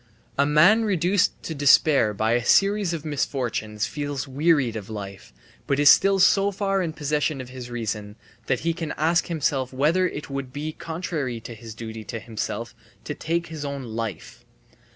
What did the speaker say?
A man reduced to despair by a series of misfortunes feels wearied of life, but is still so far in possession of his reason that he can ask himself whether it would not be contrary to his duty to himself to take his own life.